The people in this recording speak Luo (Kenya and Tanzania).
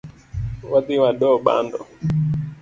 Wadhi wado bando.